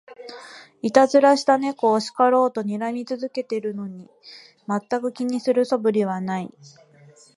いたずらした猫を叱ろうとにらみ続けてるのに、まったく気にする素振りはない